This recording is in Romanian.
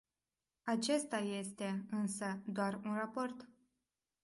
Acesta este, însă, doar un raport.